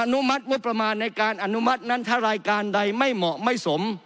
นุมัติงบประมาณในการอนุมัตินั้นถ้ารายการใดไม่เหมาะไม่สม